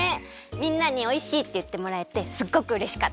みんなにおいしいっていってもらえてすっごくうれしかった。